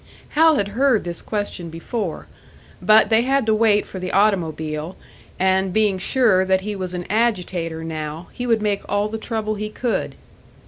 Hal had heard this question before; but they had to wait for the automobile and being sure that he was an agitator now, he would make all the trouble he could!